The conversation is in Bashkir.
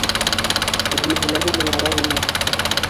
Белмәһәләр генә ярар ине.